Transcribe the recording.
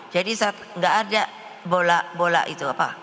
jadi gak ada bola bola itu apa